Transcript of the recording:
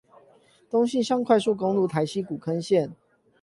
東西向快速公路台西古坑線